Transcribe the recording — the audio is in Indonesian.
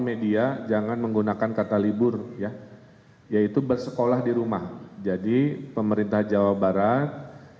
media jangan menggunakan kata libur ya yaitu bersekolah di rumah jadi pemerintah jawa barat